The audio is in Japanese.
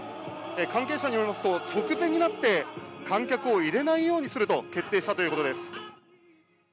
関係者によりますと、直前になって、観客を入れないようにすると決定したということです。